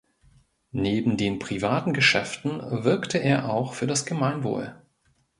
Neben den privaten Geschäften wirkte er auch für das Gemeinwohl.